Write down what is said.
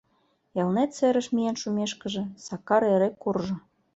Элнет серыш миен шумешкыже, Сакар эре куржо.